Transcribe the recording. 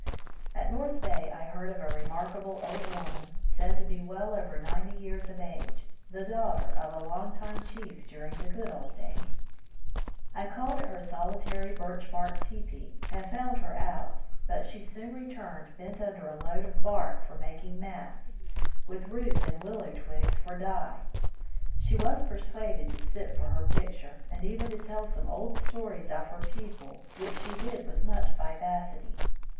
At North Bay I heard of a remarkable old woman, said to be well over ninety years of age, the daughter of a long time chief during the good old days. I called at her solitary birch bark teepee, and found her out, but she soon returned bent under a load of bark for making mats, with roots and willow twigs for dye. She was persuaded to sit for her picture and even to tell some old stories of her people, which she did with much vivacity.